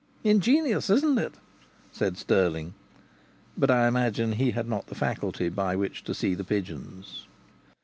"Ingenious, isn't it?" said Stirling. But I imagine that he had not the faculty by which to see the pigeons.